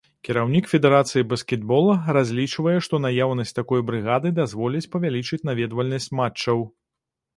Кіраўнік федэрацыі баскетбола разлічвае, што наяўнасць такой брыгады дазволіць павялічыць наведвальнасць матчаў.